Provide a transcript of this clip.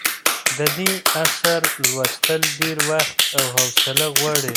د دې اثر لوستل ډېر وخت او حوصله غواړي.